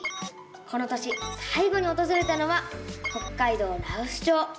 この年さい後におとずれたのは北海道羅臼町。